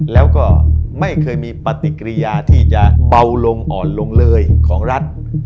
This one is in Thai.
แล้วก็ไม่เคยมีปฏิกิริยาที่จะเบาลงอ่อนลงเลยของรัฐ